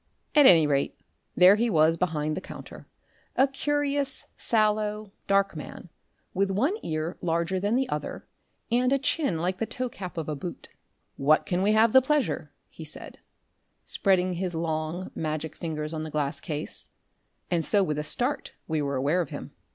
At any rate, there he was behind the counter a curious, sallow, dark man, with one ear larger than the other and a chin like the toe cap of a boot. "What can we have the pleasure?" he said, spreading his long, magic fingers on the glass case; and so with a start we were aware of him.